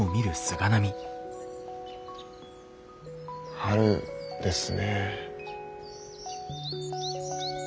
春ですね。